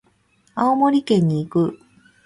青森県に行く。